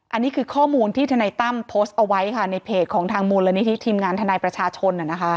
อันนี้คือข้อมูลที่ทนายตั้มโพสต์เอาไว้ค่ะในเพจของทางมูลนิธิทีมงานทนายประชาชน